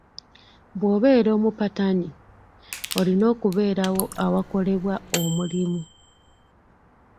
Bw'obera omupatanyi, olina okubeerawo awakolebwa omulimu.